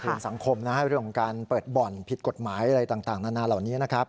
สังคมนะฮะเรื่องของการเปิดบ่อนผิดกฎหมายอะไรต่างนานาเหล่านี้นะครับ